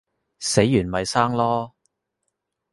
死完咪生囉